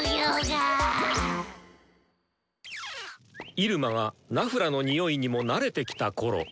入間がナフラのニオイにも慣れてきたころ。